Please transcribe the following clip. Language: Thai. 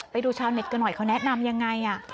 ไปดูชาวเน็ตกันหน่อยเขาแนะนำยังไง